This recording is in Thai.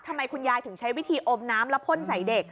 ทำไมคุณยายถึงใช้วิธีอมน้ำแล้วพ่นใส่เด็ก